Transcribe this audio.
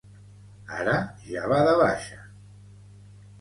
Ara ja va de baixa